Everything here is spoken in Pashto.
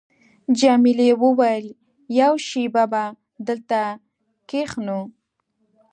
جميلې وويل:، یوه شېبه به دلته کښېنو.